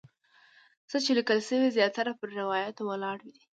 څه چې لیکل شوي زیاتره پر روایاتو ولاړ دي.